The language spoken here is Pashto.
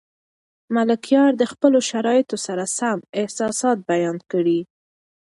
ملکیار د خپلو شرایطو سره سم احساسات بیان کړي.